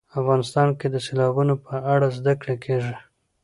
افغانستان کې د سیلابونه په اړه زده کړه کېږي.